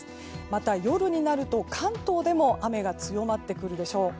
また、夜になると関東でも雨が強まってくるでしょう。